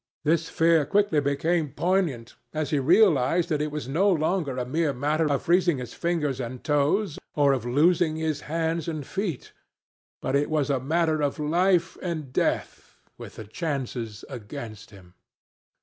This fear quickly became poignant as he realized that it was no longer a mere matter of freezing his fingers and toes, or of losing his hands and feet, but that it was a matter of life and death with the chances against him.